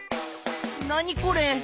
何これ？